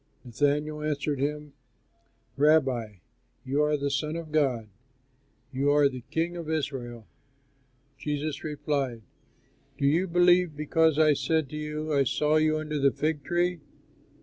Nathanael answered him, "Rabbi, you are the Son of God, you are the King of Israel." Jesus replied, "Do you believe because I said to you, 'I saw you under the fig tree'?